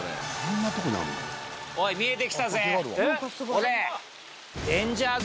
これ。